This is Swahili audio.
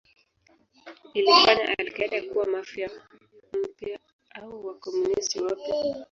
Ilifanya al-Qaeda kuwa Mafia mpya au Wakomunisti wapya.